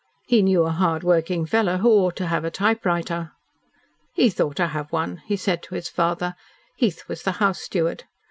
He knew a hard working fellow who ought to have a typewriter. "Heath ought to have one," he had said to his father. Heath was the house steward.